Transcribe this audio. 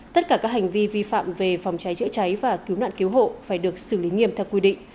tất cả các hành vi vi phạm về phòng cháy chữa cháy và cứu nạn cứu hộ phải được xử lý nghiêm theo quy định